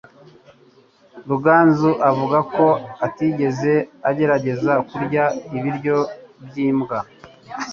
Ruganzu avuga ko atigeze agerageza kurya ibiryo by'imbwa.